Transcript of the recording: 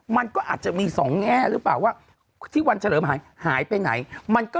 มันก็อาจจะมีสองแง่หรือเปล่าว่าที่วันเฉลิมหายหายไปไหน